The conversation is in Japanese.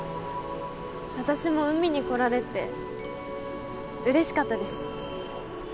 私も海に来られてうれしかったです。